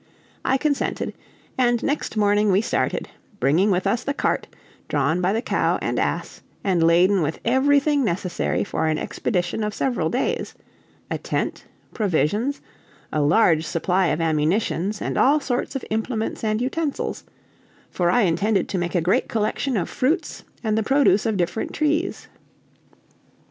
I consented; and next morning we started, bringing with us the cart, drawn by the cow and ass, and laden with everything necessary for an expedition of several days a tent, provisions, a large supply of ammunitions, and all sorts of implements and utensils; for I intended to make a great collection of fruits and the produce of different trees.